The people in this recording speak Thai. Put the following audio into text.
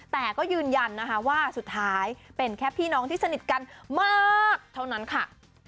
แต่ก็ยืนยันนะคะว่าสุดท้ายเป็นแค่พี่น้องที่สนิทกันมากเท่านั้นค่ะ